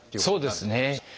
そうですね。